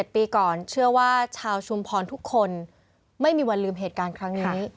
ปีก่อนเชื่อว่าชาวชุมพรทุกคนไม่มีวันลืมเหตุการณ์ครั้งนี้